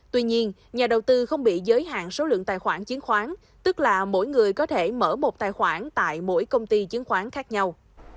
tuy nhiên nhà đầu tư không bị giới hạn số lượng tài khoản chứng khoán tức là mỗi người có thể mở một tài khoản tại mỗi công ty chứng khoán khác nhau